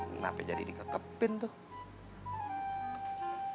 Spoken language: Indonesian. kenapa jadi dikekepin tuh